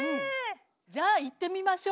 じゃあいってみましょう。